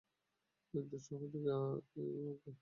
একজন সহযোগী লাগবে।